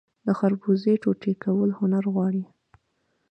د خربوزې ټوټې کول هنر غواړي.